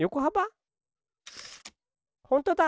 ほんとだ！